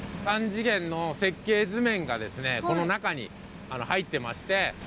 ３次元の設計図面がこの中に入ってまして。